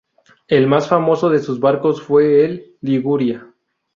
El más famoso de sus barcos fue el "Liguria".